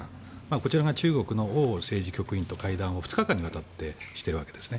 こちらが中国のオウ政治局局員と会談を２日間にわたってしているわけですね。